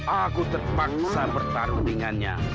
aku terpaksa bertarung dengannya